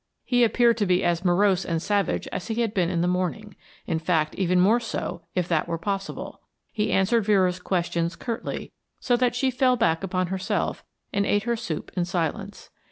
He appeared to be as morose and savage as he had been in the morning, in fact even more so if that were possible. He answered Vera's questions curtly, so that she fell back upon herself and ate her soup in silence.